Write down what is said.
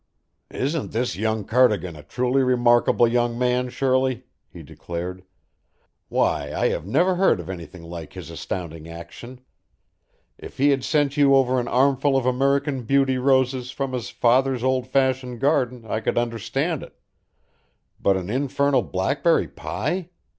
"Isn't this young Cardigan a truly remarkable young man, Shirley?" he declared. "Why, I have never heard of anything like his astounding action. If he had sent you over an armful of American Beauty roses from his father's old fashioned garden, I could understand it, but an infernal blackberry pie!